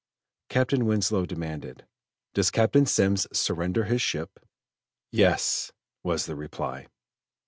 Captain Winslow demanded: "Does Captain Semmes surrender his ship?" "Yes," was the reply.